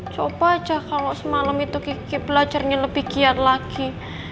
coba aja kalau semalam itu kiki belajarnya lebih giat lagi